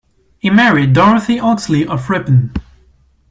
He married Dorothy Oxley of Ripon.